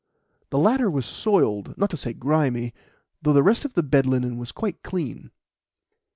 The latter was soiled not to say grimy though the rest of the bed linen was quite clean.